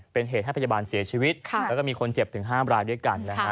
เป็นเหตุให้พยาบาลเสียชีวิตแล้วก็มีคนเจ็บถึง๕รายด้วยกันนะฮะ